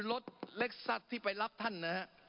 รถเล็กซัดที่ไปรับท่านนะฮะ